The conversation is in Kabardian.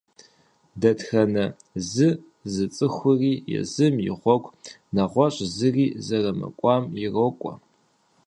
Дэтхэнэ зы зы цӏыхури езым и гъуэгу, нэгъуэщӀ зыри зэрымыкӀуам, ирокӀуэ.